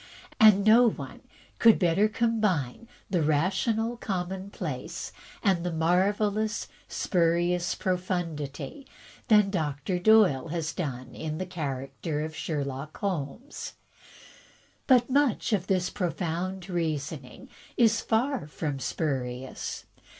And no one could better combine the rational commonplace and the marvelous * spurious profundity' than Doctor Doyle has done in the character of Sherlock Holmes. But much of this profound reasoning is far from spurious.